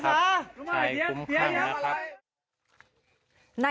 ใช้คุ้มครั้งนะครับ